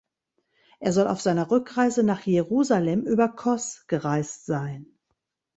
Er soll auf seiner Rückreise nach Jerusalem über Kos gereist sein.